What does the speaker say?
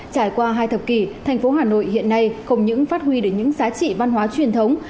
trải qua hai thập kỷ thành phố hà nội hiện nay không những phát huy được những giá trị văn hóa truyền thống